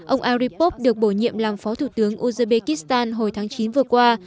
ông aripov được bổ nhiệm làm phó thủ tướng uzbekistan hồi tháng chín vừa qua